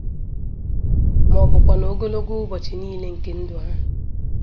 maọbụkwanụ ogologo ụbọchị niile nke ndụ ha.